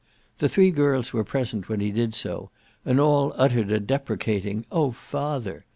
The three girls were present when he did so, and all uttered a deprecating "Oh father!"